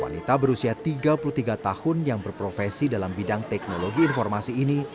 wanita berusia tiga puluh tiga tahun yang berprofesi dalam bidang teknologi informasi ini